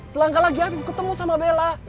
selangkah lagi afif ketemu sama bella